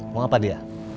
mau apa dia